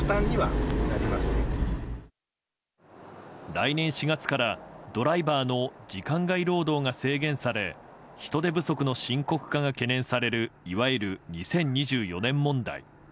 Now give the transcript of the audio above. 来年４月からドライバーの時間外労働が制限され人手不足の深刻化が懸念されるいわゆる２０２４年問題。